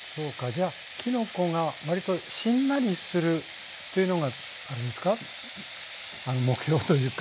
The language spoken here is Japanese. じゃあきのこが割としんなりするというのがあれですか目標というか。